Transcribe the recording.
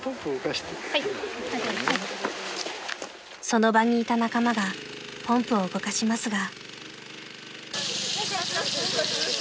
［その場にいた仲間がポンプを動かしますが］